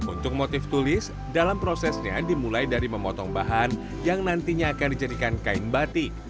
untuk motif tulis dalam prosesnya dimulai dari memotong bahan yang nantinya akan dijadikan kain batik